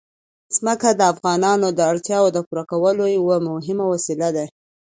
ځمکه د افغانانو د اړتیاوو د پوره کولو یوه مهمه وسیله ده.